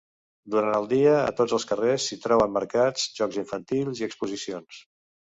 Durant el dia a tots els carrers s'hi troben mercats, jocs infantils i exposicions.